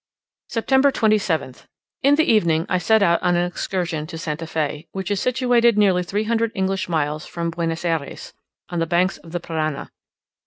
SEPTEMBER 27th. In the evening I set out on an excursion to St. Fe, which is situated nearly three hundred English miles from Buenos Ayres, on the banks of the Parana.